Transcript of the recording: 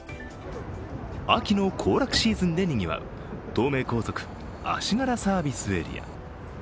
秋の行楽シーズンでにぎわう東名高速・足柄サービスエリア。